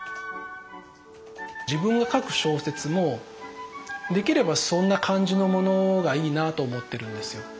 自分が書く小説もできればそんな感じのものがいいなと思ってるんですよ。